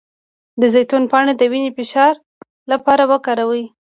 د زیتون پاڼې د وینې د فشار لپاره وکاروئ